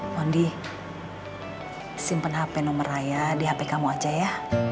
pondi simpen hp nomor raya di hp kamu aja ya